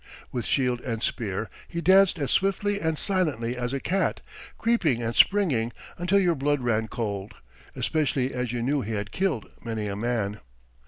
With shield and spear he danced as swiftly and silently as a cat, creeping and springing until your blood ran cold, especially as you knew he had killed many a man.